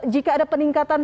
jika ada peningkatan